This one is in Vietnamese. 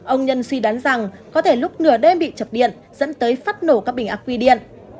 ông nhân suy đoán rằng có thể lúc nửa đêm bị chập điện dẫn tới phát nổ các bình ác quy điện